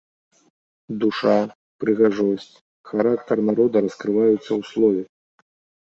Душа, прыгажосць, характар народа раскрываюцца ў слове.